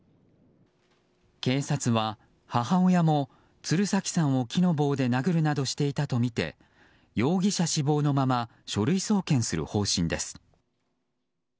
警察は母親も鶴崎さんを木の棒で殴るなどしていたとみて容疑者死亡のまま書類送検する方針です。